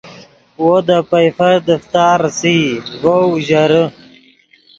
وو دے پئیفر دیفتا ریسئی ڤؤ اوژرے